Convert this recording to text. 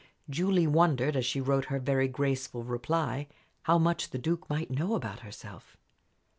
Julie wondered, as she wrote her very graceful reply, how much the Duke might know about herself.